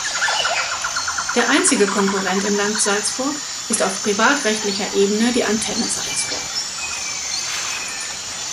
Der einzige Konkurrent im Land Salzburg ist auf privatrechtlicher Ebene die Antenne Salzburg.